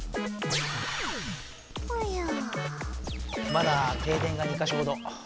まだ停電が２かしょほど。